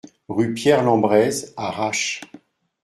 Rue Pierre Lembrez à Râches